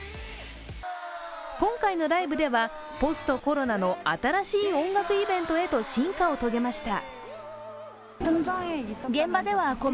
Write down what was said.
今回のライブではポスト・コロナの新しい音楽イベントへと進化を遂げました。